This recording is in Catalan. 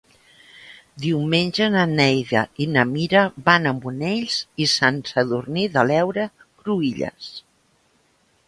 Diumenge na Neida i na Mira van a Monells i Sant Sadurní de l'Heura Cruïlles.